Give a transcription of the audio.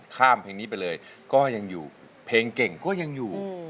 ข้ามเพลงนี้ไปเลยก็ยังอยู่เพลงเก่งก็ยังอยู่